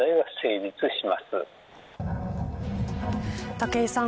武井さん